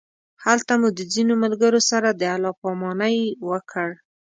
هلته مو د ځینو ملګرو سره د الله پامانۍ وکړ.